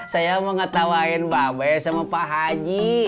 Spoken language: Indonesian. saya mau ngetawain babes sama pak haji